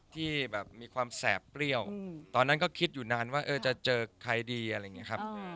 ที่แบบมีความแสบเปรี้ยวตอนนั้นก็คิดอยู่นานว่าจะเจอใครดีอะไรอย่างนี้ครับ